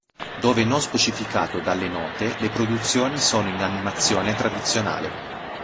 Dove non specificato dalle note, le produzioni sono in animazione tradizionale.